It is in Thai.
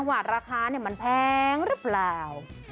ว่าราคามันแพงหรือเปล่า